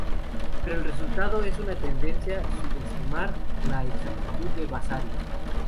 Pero el resultado es una tendencia a subestimar la exactitud de Vasari.